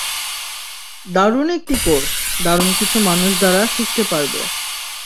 দারুণ একটি কোর্স, দারুণ কিছু মানুষ দ্বারা শিখতে পারবে।